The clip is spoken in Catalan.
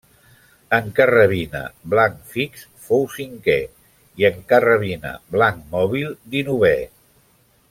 En carrabina, blanc fix fou cinquè i en carrabina, blanc mòbil dinovè.